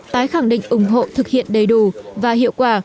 tái khẳng định ủng hộ thực hiện đầy đủ và hiệu quả